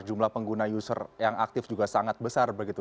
jumlah pengguna user yang aktif juga sangat besar begitu